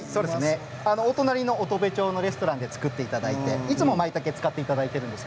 お隣の乙部町のレストランで作っていただいていつもまいたけを使っていただいているんです。